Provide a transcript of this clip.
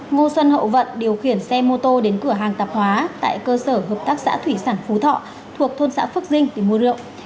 ngô xuân hậu vận điều khiển xe mô tô đến cửa hàng tạp hóa tại cơ sở hợp tác xã thủy sản phú thọ thuộc thôn xã phước dinh để mua rượu